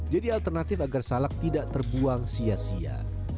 jadi alternatif agar salak tidak terbuang sia sia